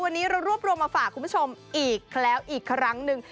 วันนี้เรารวบรวมมาฝากคุณผู้ชมอีกแล้วอีกครั้งหนึ่ง